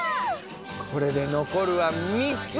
これで残るは３つ！